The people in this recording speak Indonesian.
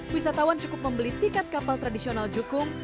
wisatawan cukup membeli tiket kapal tradisional jukung